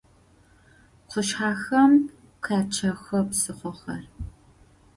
Къушъхьэхэм къячъэхы псыхъохэр.